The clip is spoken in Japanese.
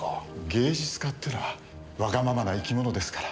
芸術家ってのはわがままな生き物ですから。